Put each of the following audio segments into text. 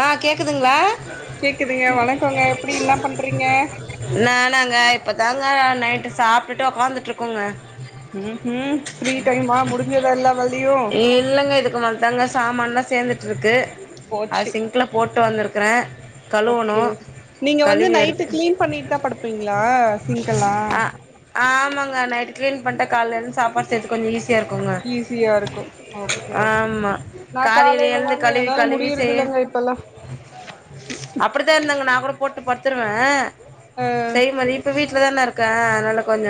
ஆ கேக்குதுங்ளா கேக்குதுங்க வணக்கோங்க எப்டி இன்ன பண்றீங்க நானாங்க இப்பதாங்க நைட்டு சாப்ட்டுட்டு ஒக்காந்துட்ருக்கோங்க ம் ம் ஃப்ரீ டைம்மா முடிஞ்சதா எல்லா வேலையு இல்லங்க இதுக்கு மேல்தாங்க சாமான்லா சேந்துட்ருக்கு அத போச்சு சிங்க்ல போட்டு வந்துருக்குறே ஓகே நீங்க வந்து நைட்டு கிளீன் பண்ணிட்டு தா படுப்பீங்ளா சிங்க்கெல்லா ஆ ஆமாங்க நைட்டு கிளீன் பண்ட்டா கால்ல எழுந்து சாப்பாடு செய்யறது கொஞ்ச ஈஸியா இருக்குங்க ஈஸியா இருக்கு ஓகே ஓகே ஆமா நா காலைல காலையில எழுந்து தாங்க கழுவி என்னால கழுவி முடியறது செய்ய இல்லங்க இப்பல்லா அப்டிதா இருந்தேங்க நா கூட போட்டு படுத்துருவே ஆ செய்ய மாரி இப்ப வீட்லதா இருக் க்க அதனால கொஞ்ச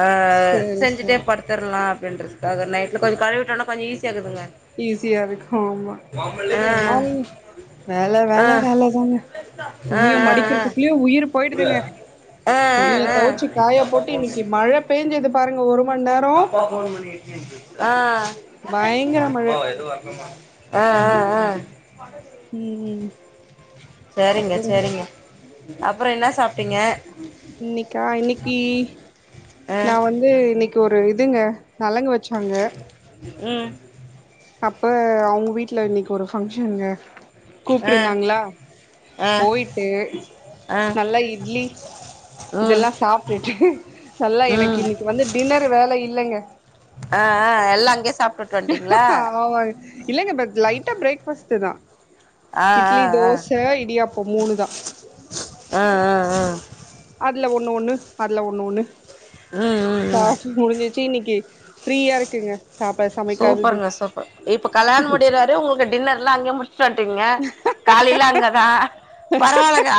அ சேரி செஞ்சுட்டே சேரி படுத் துர்லா அப்டின்றதுக்காக நைட்ல கொஞ்ச கழுவிட்டோனா கொஞ்ச ஈஸியா இருக்குதுங்க ஈஸியா இருக்கு ஆமா பாலிங் வேல ஆ வேல வேலதாங்க ஆ ஆ துணிய ஆ மடிக்கிறதுக்குள்ளயு உயிரு போயிடுதுங்க ஆ ஆ ஆ துணிய ஆ தொவச்சு காயப் போட்டு இன்னைக்கு மழ பேஞ்சது பாருங்க ஒரு மண் நேரோ அப்பா போன் பண்ணிக்கிச்சி ஆ பயங்கர மழ ஆ ஆ ஆ ம் ம் சேரிங்க அப்றோங்க சேரிங்க அப்பற என்ன சாப்ட்டீங்க இன்னைக்கா இன்னைக்கு ஆ நா வந்து இன்னைக் கு ஒரு இதுங்க நலங்கு வெச்சாங்க ம் அப்ப அவ்ங்க வீட்ல இன்னைக்கு ஒரு ஃபங்க்ஷனுங்க ஆ கூப்ட்ருந்தாங்களா ஆ போயிட்டு ஆ நல்லா இட்லி ம் இதெல்லா சாப்ட்டுட்டு நல்லா எனக்கு ம் இன்னைக்கு வந்து டின்னரு வேல இல்லைங்க ஆ ஆ எல்லா அங்கே சாப்டு வந் ஆமா இல்லைங்க பட் லைட்டா பிரேக்ஃபாஸ்ட்டு தா ஆ ஆ இட்லி ஆ தோச இடியாப்ப மூணு தா ஆ ஆ ஆ அதுல ஒன்னு ஒன்னு அதுல ஒன்னு ஒன்னு ம் ம் ம் சாப்ட்டு முடிஞ்சிச்சு இன்னைக்கு ஃப்ரீயா இருக்குங்க சாப்ப சமைக்காதது சூப்பருங்க சூப்பர் இப்ப கல்யாண முடியிற வரையு உங்களுக்கு டின்னர்லா அங்கயே முடி சாப்ட்டீங்க காலைல அங்கதா பரவால்லக்கா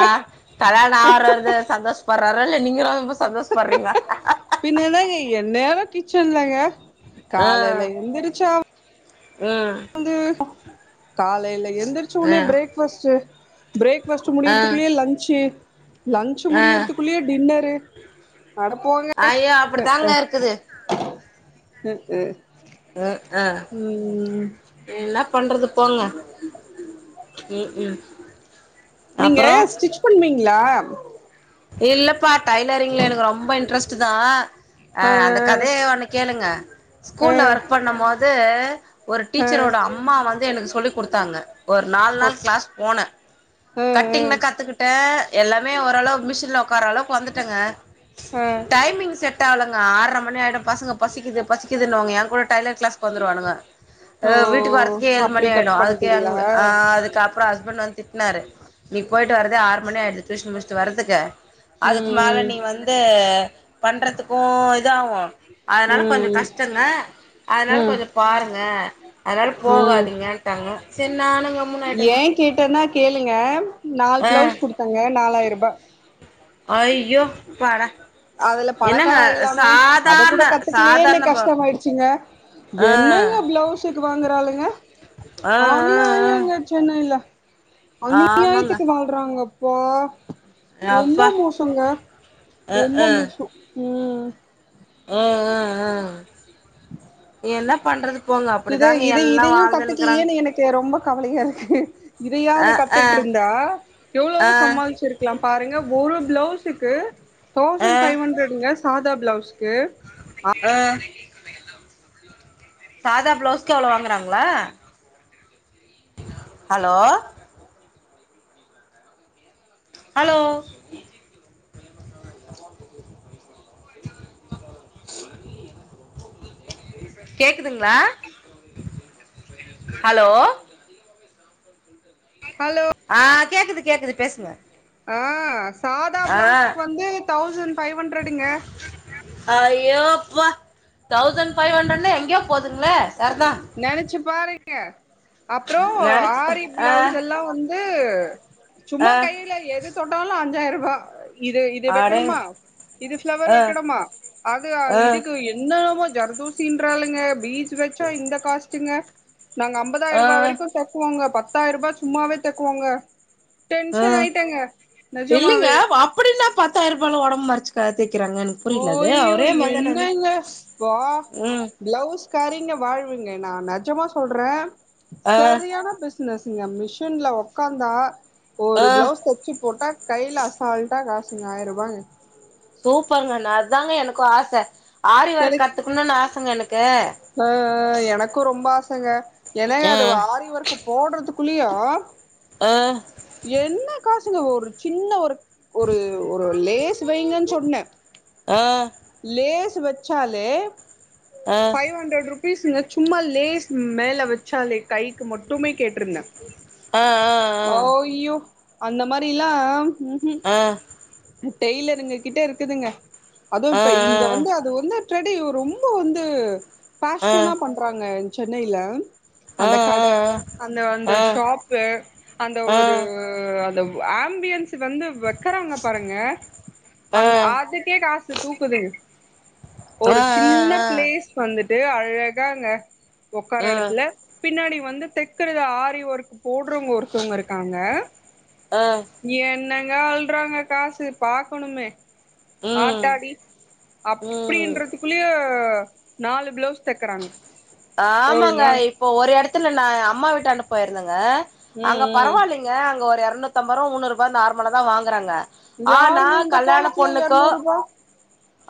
கல்யாண ஆற்றது சந்தோஷ் பர்றாரோ இல்லையா நீங்க ரொம்ப சந்தோஷ் பற்றீங்க பின்ன என்னங்க எ என்னேரோ கிச்சன்லங்க ஆ காலையில எந்திரிச்சா ம் காலையில எந்திரிச்ச ஆ ஒன்னே பிரேக்ஃபாஸ்ட்டு பிரேக்பாஸ்ட்டு ஆ முடியிறதுக்குலையே லன்சு லன்சு ஆ முடியிறதுக்குள்ளயே டின்னரு அட போங்க ஐயோ அப்டித்தாங்க க்க இருக்குது க்கு க்க என்ன பண்றது போங்க ம் ம் நீங்க அப்றோ ஸ்டிச் பண்வீங்களா இல்லப்பா டைலரிங்ல எனக்கு ரொம்ப இன்ட்ரெஸ்ட்டுதா அ ஆ அந்த கதைய ஒன்னு கேளுங்க ஆ ஸ்கூல்ல ஒர்க் பண்ணும் போது ஒரு ஆ டீச்சரோட அம்மா வந்து எனக்கு சொல்லி கொடுத்தாங்க ஒர் நால் நாள் ஓகே கிளாஸ் போனே ஆ ஆ கட்டிங்ன கத்துக்கிட்டே எல்லாமே ஓரளவு மிஷின்ல ஒக்கார அளவுக்கு வந்துட்டங்க ஆ டைமிங் செட் ட்டால்லங்க ஆர்ற மணி ஆயிடு பசங்க பசிக்குது பசிக்குதுன்னுவாங்க ஏங்கூட டைலர் கிளாஸ்க் வந்துருவானுங்க ஓ அ வீட்டுக் வர்ரதுக் ஏழ் மணி அப்டி ஆயிடு கட் அதுக்கே எங் பண்ட்டீங்களா அ அதுக்கப் அப்புற ஹஸ்பண்ட் வந் திட்டினாரு நீ போயிட்டு வரதே ஆறு மணி ஆயிடு டியூஷன் முடிஸ்ட்டு வரதுக்கு அதுக்கு மேல ம் நீ வந்து பண்றதுக்கு இது ஆவு அதனால கொஞ்ச ம் கஷ்டந்தா அதனால ம் கொஞ்ச பாருங்க அதனால ம் போகாதிீங்கன்ட்டாங்க சேர் ஏ நானுங்கம்முன்னாய்ட்டங்க கேட்டேன்னா கேளுங்க நால் ஆஹ் பிளவுஸ் குடுத்தங்க நாலாயிர்ருபா அய்யோ அப்பாடா அதுல என்னங்க பணக்கார ஆயிர்லாமே அத சாதாரண கூட கத்துக்கலியேன்னு சாதாரண ப கஷ்டமாயிடு ச்சுங்க ஆ என்னங்க ப்ளௌசுக்கு வாங்கறாளுங்க ஆ ஆ அநியாயங்க சென்னைல ஆ ஆமாங்க அநியாயத்துக்கு வாழ்றாங்கப்பா ரொம்ப அப்பா மோசங்க அ ரொம்ப மோசோ ம் ம் ம் ம் என்ன பண்றது போங்க இத அப்படிதாங்க இதை எல்லா இதையு வாழ்ந்துன்னுக்குறாங்க கத்துக்கலியேன்னு எனக்கு ரொம்ப கவலையா இருக்கு அ இதையாது அ கத்துட்ருந்தா எவ்ளவோ ஆ சம்மாலிச்சிருக் லா பாருங்க ஒரு பிளவுஸுக்கு ஆ தௌசண்ட் ஃபைவ் ஹண்ட்ரடுங்க சாதா பிளவுஸ்க்கு ஆ சாதா பிளவுஸ்க்கு அவ்ளோ வாங்குறாங்களா ஹலோ ஹலோ அ கேக்குதுங்ளா ஹலோ ஹலோ ஆ கேக்குது கேக்குது பேசுங்க ஆ சாதா ஆ ப்ளௌசுக்கு வந்து தௌசண்ட் ஃபைவ் ஹண்ட்ரடுங்க அ ஐயோப்பா தௌசண்ட் ஃபைவ் ஹண்ட்ரட்ன்னா எங்யோ போதுங்களே சர்தா நெனச்சு பாருங்க அப்றோ நினைச்சு ஆரி ஆ ப்ளௌஸ் எல்லா வந்து சும்மா ஆ கையில எது தொட்டாலு அஞ்சாயிரரூபா இது இது அடேங்க வெக்கணுமா இது ஃப்ளவர் ஆ வெக்கணுமா அது ஆ இதுக்கு எ என்னமோ ஜர்தோஷின்றாளுங்க பீட்ஸ் வெச்சா இந்த காஸ்டுங்க நாங்க அம் ஆ பதாய்ர்ருபா வரைக்கு தெக்குவோங்க பத்தாய்ர்ருபா சும்மாவே தெக்குவோங்க ஆ டென்ஷன் ஆய்ட்டேங்க நெஜமாவே அப்பிடி என்ன பத்தாய்ர்ருபால ஒடம்பு மடிச்சு கே தெக்கிறாங்கன் புரில அது ஓய்யோ ஒரே மாரி தான அது ம் ப்ளவுஸ் காரிங்க வாழ்வுங்க நா நெஜமா சொல்றே ஆ செரியான பிஸ் னஸ்ங்க மிஷின்ல ஒக்காந்தா ஆ ஒரு ப்ளவுஸ் தெச்சு போட்டா கைல அசால்ட்டா காசுங்க ஆயிர்ருபாங்க சூப்பர்ங்க நா அதாங்க எனக்கு ஆச ஆரி ஒர்க் எனக்கு கத்துக்குனுன் ஆசங்க எனக்கு ஆ ஆ எனக்கு ரொம்ப ஆசங்க ஏனா அது ஆரி ஒர்க்கு போட்றதுக்குள்ளயு அ என்ன காசுங்க ஒரு சின்ன ஒரு ஒரு ஒரு லேஸ் வைங்கன் சொன்னே அ லேஸ் வெச்சாலே ஆ ஃபைவ் ஹண்ட்ரட் ரூப் பீஸுங்க சும்மா லேஸ் மேல வெச்சாலே கைக்கு மட்டுமே கேட்ருந்தே ஆ ஆ அய்யோ அந்த மாரில்லாம் ம்ம் ஆ டெய்லருங்க கிட்ட இருக்குதுங்க அதுவு ஆ இப்ப இங் க வந்து அது வந்து ட்ரெடி ஒ ரொம்போ வந்து ஆ ஆ ஆ பேஷனா பண் றாங்க சென்னைல ஆ அந்த கட ஆ அந்த அந்த ஆ ஷாப்பு அந்த ஆ ஒரு அ அந்த ஆம்பியன்ஸு வந்து வெக்கறாங் பாருங்க ஆ அந் அதுக்கே காசு தூக்குதுங் ஒரு ஆ சின்ன ப்ளேஸ் வந்துட்டு அழகாங்க ஒக்கார்ர ஆ எடத்துல பின்னாடி வந்து தெக்கறது ஆரி ஒர்க்கு போட்றவ்ங்க ஒருத்தவ்ங்க இருக்காங்க ஆ என்னங்க அள்றாங்க காசு பாக்கணுமே ம் ஆத்தாடி ம் அப்டின்றதுக்குள்ளயே நாலு ப்ளவுஸ் தெக்கறாங்க ஒரு ஆமாங்க நாள் இப்போ ஒரு எடத்துல நா அம்மா வீட்டான்ட போயிருந்தங்க ம் அங்க ம் பரவால்லைங் க அங்க ஒரு எரநூத்தம்பர்ருபா முன்னூர்ருபா நார்மலா தா வாங்கறாங்க ஆனா யாருங்க இந்த கல்யாண காலத்துல பொண்ணுக்கோ எரநூறுபா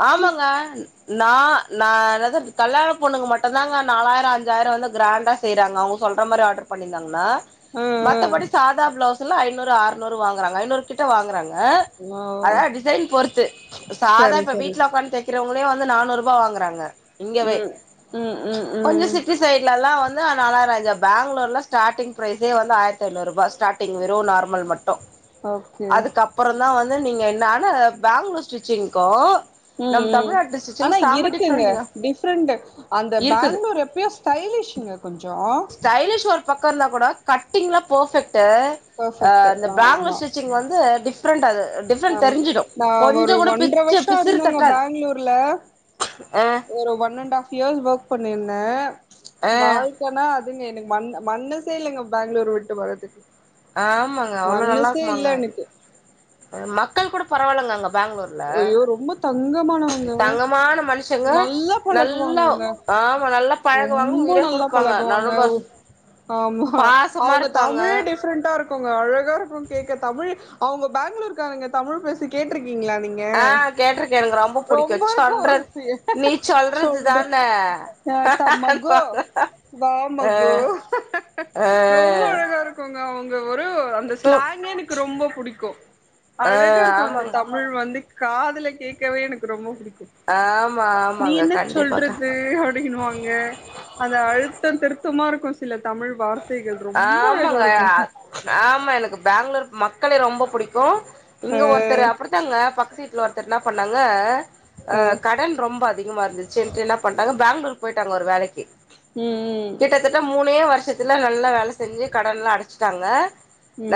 ஆமாங்க நா நா என்னது கல்யாண பொண்ணுக்கு மட்டுந்தாங்க நாலாய்ரோ அஞ்சாய்ரோ வந்து க்ராண்டா செய்றாங்க அவுங்க சொல்ற மாரி ஆட்ரு பண்ணீர்ந்தாங்கன்னா ஆ மத்தபடி ஆ சாதா ப்ளவுஸ்ல்லா ஐநூறு ஆர்நூறு வாங்கறாங்க ஐநூறு கிட்ட வாங்கறாங்க ஓ அதுலா டிசைன் பொறுத்து சாதா சரி இப்ப சரி வீட்ல ஒக்காந்து தெக் கிறவங்களே வந்து நானூர்ருபா வாங்கறாங்க இங்கவே ம் ம் ம் கொஞ்சோ ம் சிட்டி சைட்லலா வந்து அ நாலாய்ரோ அஞ்சா பேங்ளூர்லா ஸ்டாட்டிங் ப்ரைசே வந்து ஆயர்த் ஐநூர்ருபா ஸ்டாட் டிங் வெறு நார்மல் மட்டு ஓகே அதுக்கப்பறந்தா வந்து நீங்க நானு பேங்ளூர் ஸ்டிச்சிங்க்கு ம் ம் ஆனா இருக்குங்க டிஃப்ரெண்டு அந்த இருக்குது பேங்ளூர் எப்பயு ஸ்டைலிஷ்ங்க கொஞ்சோ ஸ்டைலிஷ் ஒரு பக்கோ இர்ந்தா கூட கட்டிங்லா பர்ஃபெக்ட்டு அ பர்ஃபெக்ட் இந்த பேங்களூர் ஆமா ஸ்டிச்சிங் வந்து டிஃப்ரண்ட் அது டிஃப்ரண்ட் ஆமா தெரிஞ்சிடு நா கொஞ்ச ஒரு கூட ஒன்ற பிச்சு வருஷோ பிசுறு இருந்தங்க தட்டாது பேங்ளூர்ல அ ஒரு one and half years work பண்ணிருந்தே ஆ வாழ் கனா அதுங்க எனக்கு மன் மனசே இல்லங்க பேங்களூர் விட்டு வர்றதுக்கு ஆமாங்க அவ்ளோ நல்லா மனஸ்சே இல்ல இருக்குமாங்க எனக்கு மக்கள் கூட பரவால்லங்க அங்க பேங்களூர்ல ஐயோ ரொம்ப தங்கமானவங்க தங்கமான மனுஷங்க நல்லா நல்லா பழகுவாங்கங்க ஆமா நல்லா பழகுவாங்க ரொம்ப உயிரே நல்லா குடுப்பாங்க நல்ல பழகுவாங்க மார்க் பாசமார்ப்பாங்க ப்ரண்டா இருக்குங்க அழகார்க்கு கேக்க தமிழ் அவங்க பெங்களூர்காரங்க தமிழ் பேசி கேட்ருக்கீங்ளா நீங்க ஆ ஏ கேட்டிருக்கே எனக்கு ரொம்ப புடிக்கு ரொம்பர்க்கு சொல்றது நீ [unintelligible] சொல்றது சொல்ற தான த மகோ வா ஆ மகோ ஆ ரொம்ப அழகா ருக் கோங்க அவங்க ஒரு அந்த கு ஸ்லாங்கே எனக்கு ரொம்ப பிடிக்கு ஆ அழகார்க்கு அந்த ஆமாங்க தமிழ் தமிழ் வந்து காதுல கேக்கவே எனக்கு ரொம்ப புடிக்கு ஆமா நீ ஆமாங்க என்ன கண்டிப்பாக்கா சொல்றது அப் க்குனு வாங்க அந்த அழுத்த திருத்தமார்க்கு சில தமிழ் வார்த்தைகள் ரொம்ப ஆமாங்க அழகார்க்கு ஆமா எனக்கு பேங்களூர் மக்கள ரொம்ப புடிக்கு அ இங்க ஒருத்தர் அப்படி தாங்க பக்கத்து வீட்டுல ஒருத்தர் ன்னா பண்ணாங்க ஆ அ கடன் ரொம்ப அதிகமார்ந்துச்சு ன்டு இன்ன பண்டாங்க பெங்களூர் போயிட்டாங்க ஒரு வேலக்கி ம் ம் கிட்ட தட்ட மூணே வருஷத்துல நல்லா வேல செஞ்சு கடன்லா அடச்சிட்டாங்க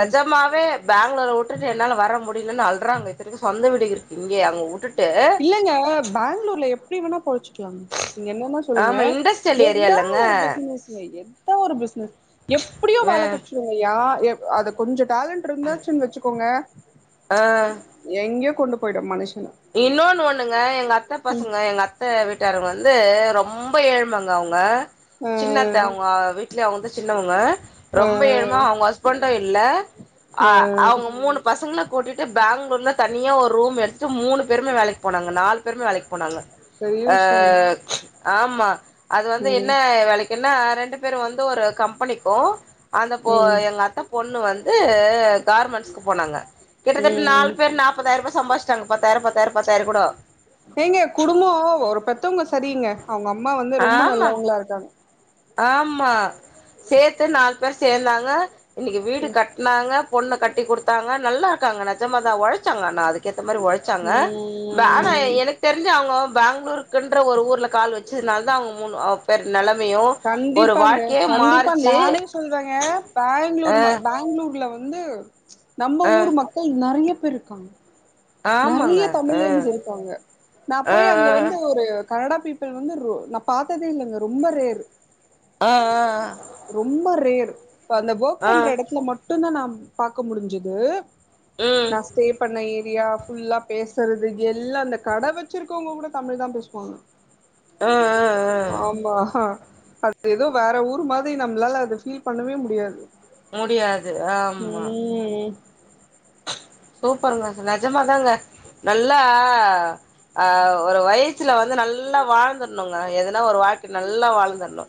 ம் பேங்களூர உட்டுட்டு என்னால வர முடியலன்னு அழ்ராங்க இத்தனக்கு சொந்த வீடு இருக்கு இங்கயே அங்க உட்டுட்டு இல்லங்க பேங்களூர்ல எப்டி வேணா பொழச்சிக்கலாங்க நீங்க என்னனா சொல் சொல்லுங்க ஆமா இண்டஸ்ட்ரியல் ஏரியா எதா இல்லங்க ஒரு பிசினஸ் எதா ஒரு பிசினஸ் எப்டியோ ஆ வேல கெடச்சுடுங்க யா அத கொஞ்ச டேலண்ட் இருந்தாச்சுன்னு வச்சுக்கோங்க ஆ எங்கயோ கொண்டு போயிடு மனுஷன இன்னொன்னு ஒண்ணுங்க எங்க அத்த ம் பசங்க எங்க அத் அத்த வீட்டாரங்க வந்து ரொம்ப ஏழ்மங்க அவங்க ஆ சின்னத்த அவங்க வீட்லயே அவங்கத சின்னவங்க ஆ ரொம்ப ஏழ்ம அவங்க ஹஸ்பண்டு இல்ல அ அவங்க மூணு பசங்களு கூட்டிட்டு பெங்களூர்ல தனியா ஒரு ரூம் எடுத்துட்டு மூணு பேருமே வேலக்கி போனாங்க நாலு பேருமே வேலக்கி போனாங்க பெரிய ஆ விஷயங்க ஆமா அது வந்து என்ன ம் வேலக் என்ன ரெண்டு பேரு வந்து ஒரு கம்பெனிக்கு அந்தப்பொ ம் எங்கத்த பொண்ணு வந்து கார்பன்ஸ்க்கு போனாங்க கிட்டத்தட்ட நாலு ம் பேர் நாப்பதாயிர்ருவா சம்பாதிஸ் டாக பத்தாயிர பத்தாயிர பத்தாயிர கூட ஏங்க குடும்பொ ஒரு பெத்தவங்க சரிங்க அவங்க அம்மா வந்து ரொம்ப ஆமாங்க நல்லவங்ளா இருக்காங்க ஆமா சேத்து நாலு பேர் சேந்தாங்க இன்னக்கி வீடு ம் கட் னாங்க பொண்ணு கட்டி கொடுத்தாங்க நல்லார்க்காங்க நிஜமா தா ஒழச்சாங்க ஆனா அதுக்கேத்த மாரி உழச்ச உழச்சாங்க ஆனா ம் எனக்கு தெரிஞ்ச அவங்க பெங்களூருக் ருன்ற ஒரு ஊர்ல கால் வச்சதுனால தா அவங்க மூணு பேர் நெலமையு ஒரு கண்டிப்பாங்க வாழ்க்கையே கண்டிப்பா மாறுச்சு நானே சொல்வங்க அ பெங்களூர் பெங்களூர்ல வந்து நம்ம அ ஊர் மக்கள் நெறைய பேர் ருக்காங்க ஆமாங்க நெறைய அ தமிழன்ஸ் இருக்காங்க நா அ போய் அங்க வந்து ஒரு கனடா பீப்பிள் வந்து ரொ நா பாத்ததே இல்லங்க ரொம்ப ரேர் ஆஅ ரொம்ப ரேர் இப்ப அந்த ஒர்க் அ அ பண்ற எடத்துல ம ட்டுதா நா பாக்க முடுஞ்சது ம் நா ஸ்டே பண்ண ஏரியா ஃபுல்லா பேசறது இது எல்லா அந்த கடை வச்சிருக்கவுங்க கூட தமிழ் தா பேசுவாங்க அ அ ஆமா அ து ஏதோ வேற ஊர் மாரி நம்ளால அத ஃபீல் பண்ணவே முடியாது முடியாது ஆம்மா ம் சூப்பர்ங்க நெஜமாதாங்க நல்லா ஆ ஒரு வயசுல வந்து நல்லா வாழ்ந்தர்ணுங்க எதுனா ஒரு வாழ்க்க நல்லா வாழ்ந்தர்ணு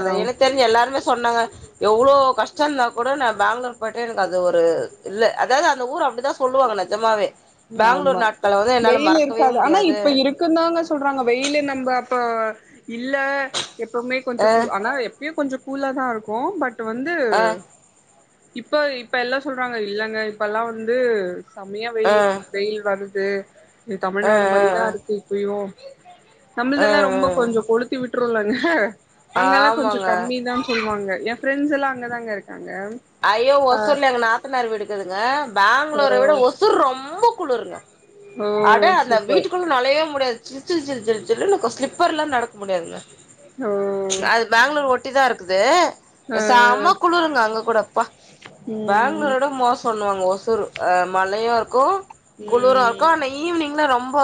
ஆ எனக்தெ ரிஞ்ச எல்லாருமே சொன்னாங்க எவ்ளோ கஷ்டோ இந்தா கூட நா பேங்ளூர் போயிட்டா எனக்கு அது ஒரு இல்ல அதாது அந்த ஊர் அப்டிதா சொல்லுவாங்க நெஜமாவே ஆமா பெங்களூர் நாட்கள வந்து என்னால மறக்கவே முடியாது க்குன் தாங்க சொல்றாங்க வெயிலு நம்ம அப்ப இல்ல எப்பமே கொஞ்ச அ கூ ஆனா ப்பயு கொஞ்ச கூலா தா இருக்கு பட் வந்து அ இப்ப இப்ப எல்லா சொல்றாங்க இல்லங்க இப்பெல்லா வந்து செமயா அ அ வெயில் வெயில் வருது இது அ தமிழ்நாடு மாரிதா அ இருக்கு இப்பயு அ நம்ள்தெல்லா ரொம்ப கொஞ்ச கொளுத்து விட்ருலங்க அ அங்கல்லா கொஞ்ச ஆமாங்க கம்மி தா சொல்வாங்க எ ஃப்ரெண்ட்ஸ்லா அங்கே தாங்க இருக்காங்க ஐயோ ஆ ஒசூர்ல எங்க நாத்தனார் வீடுக்குதுங்க பெங்களூர விட ஓ ஒசூர் ரொம்ப குளுருங்க அட ஓ அந்த சூப்பர் வீட்டுக்குள் ள நொழையவே முடியாது ஜில் ஜில் ஜில் ஜில் ஜில்லுனுக்கு ஸ்லிப்பர் இல்ல நடக்க முடியாதுங்க ஓ அது பெங்களூர் ஒட்டி தா இருக்குது ஆ செம குளுருங்க அங்க கூட ப்பா ம் பேங்களூரோட மோசண்ணுவாங்க ஒசூர் அ மழையா இருக்கு குளுரா இருக்கு ம் ஆனா ஈவினிங்ல ரொம்ப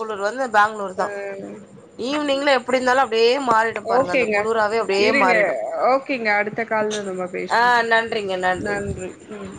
குளுரு வந்து பேங்ளூர் தா ம் ஈவினிங்ல எப்டி இந்தாலு அப்டியே மாறிடு பாருங்க அந்த ஓகேங்க குளுராவவே அப்டியே இருங்க மாறிடு ஓகேங்க அடுத்த கால்ல நம்ம ஆ பேசுவோ நன்றிங்க நன்றிங்க நன்றி ம்